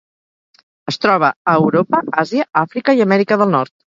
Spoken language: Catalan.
Es troba a Europa, Àsia, Àfrica i Amèrica del Nord.